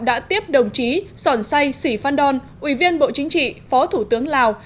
đã tiếp đồng chí sòn say sì phan đòn ủy viên bộ chính trị phó thủ tướng lào